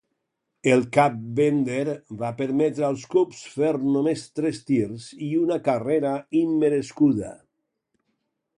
El cap Bender va permetre als Cubs fer només tres tirs i una carrera immerescuda.